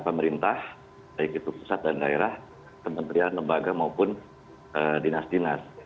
pemerintah baik itu pusat dan daerah kementerian lembaga maupun dinas dinas